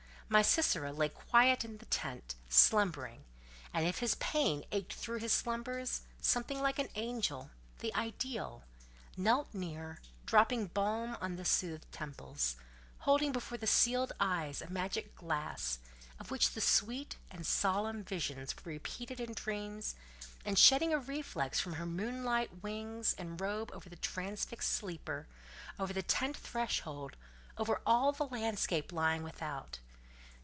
My Sisera lay quiet in the tent, slumbering; and if his pain ached through his slumbers, something like an angel—the ideal—knelt near, dropping balm on the soothed temples, holding before the sealed eyes a magic glass, of which the sweet, solemn visions were repeated in dreams, and shedding a reflex from her moonlight wings and robe over the transfixed sleeper, over the tent threshold, over all the landscape lying without.